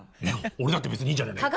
俺だって別にいいじゃねえかよ。